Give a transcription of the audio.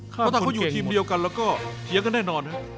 เพราะถ้าเขาอยู่ทีมเดียวกันแล้วก็เถียงกันแน่นอน